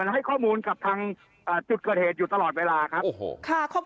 ให้ข้อมูลกับทางจุดเกิดเหตุอยู่ตลอดเวลาครับโอ้โหค่ะ